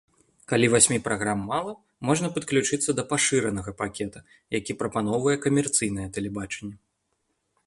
Калі васьмі праграм мала, можна падключыцца да пашыранага пакета, які прапаноўвае камерцыйнае тэлебачанне.